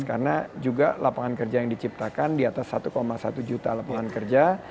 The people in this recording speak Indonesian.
karena juga lapangan kerja yang diciptakan di atas satu satu juta lapangan kerja